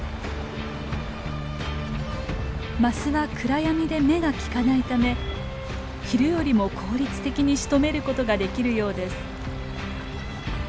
マスは暗闇で目が利かないため昼よりも効率的にしとめることができるようです。